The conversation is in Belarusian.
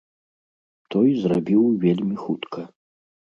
Той зрабіў вельмі хутка.